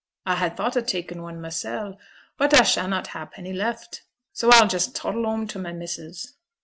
A had thought o' takin' one mysel', but a shannot ha' a penny left, so a'll just toddle whoam to my missus.'